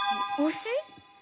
牛？